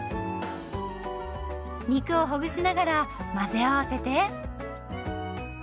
肉をほぐしながら混ぜ合わせて。